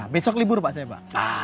besok libur pak seba